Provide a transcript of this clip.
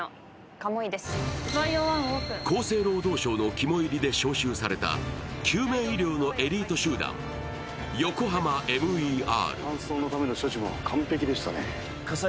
厚生労働省の肝煎りで招集された救命医療のエリート集団、ＹＯＫＯＨＡＭＡＭＥＲ。